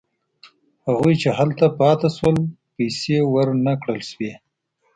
هغوی چې هلته پاتې شول پیسې ورنه کړل شوې.